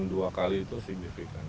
dua kali itu signifikan